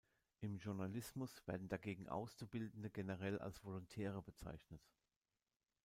Im Journalismus werden dagegen Auszubildende generell als Volontäre bezeichnet.